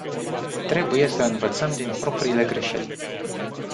Trebuie să învățăm din propriile greșeli.